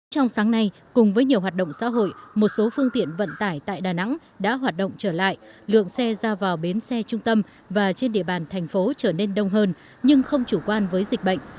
trong sáng nay cùng với nhiều hoạt động xã hội một số phương tiện vận tải tại đà nẵng đã hoạt động trở lại lượng xe ra vào bến xe trung tâm và trên địa bàn thành phố trở nên đông hơn nhưng không chủ quan với dịch bệnh